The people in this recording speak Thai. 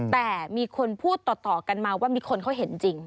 แต่มีคนพูดต่อกันมาว่ามีคนเขาเห็นจริง